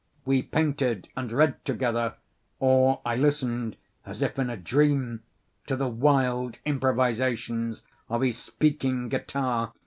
We painted and read together; or I listened, as if in a dream, to the wild improvisations of his speaking guitar.